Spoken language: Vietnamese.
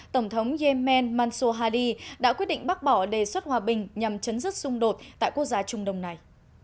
tổng thống yemen manso hadi đã quyết định bác bỏ đề xuất hòa bình nhằm chấm dứt xung đột tại quốc gia trung đông này